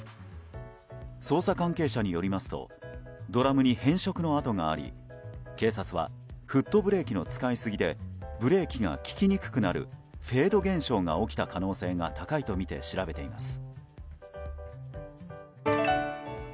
捜査関係者によりますとドラムに変色の跡があり、警察はフットブレーキの使い過ぎでブレーキが利きにくくなるフェード現象が起きた可能性が高いとみて調べています。